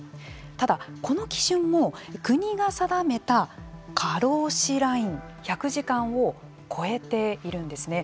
ただ、この基準も国が定めた過労死ライン１００時間を超えているんですね。